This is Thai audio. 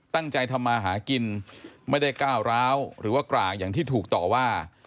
ตั้งใจทำมาหากินไม่ได้ก้าวร้าวหรือว่ากร่างอย่างที่ถูกต่อว่า